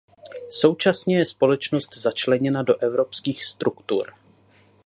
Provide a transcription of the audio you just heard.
Současně je společnost začleněna do evropských struktur.